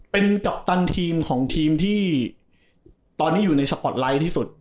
เป็นกัปตันทีมของทีมที่ตอนนี้อยู่ในสปอร์ตไลท์ที่สุด